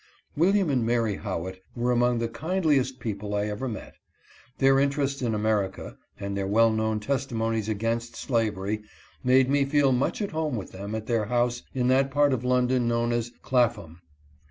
William and Mary Howitt were among the kindliest people I ever met. Their interest in America, and their well known testimonies against slavery, made me feel much at home with them at their house in that part of London known as Clapham.